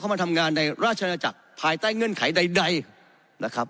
มาทำงานในราชนาจักรภายใต้เงื่อนไขใดนะครับ